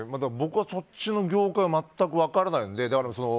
僕はそっちの業界は全く分からないので。